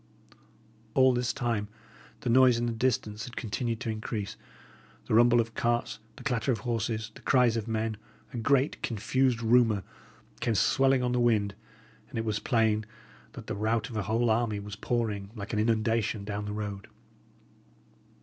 All this time the noise in the distance had continued to increase; the rumble of carts, the clatter of horses, the cries of men, a great, confused rumour, came swelling on the wind; and it was plain that the rout of a whole army was pouring, like an inundation, down the road.